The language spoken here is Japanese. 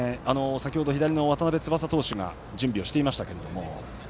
先ほど左の渡邉翼投手が準備をしていましたけれども。